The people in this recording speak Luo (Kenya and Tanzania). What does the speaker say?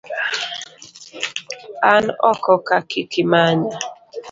An oko ka kik imanya.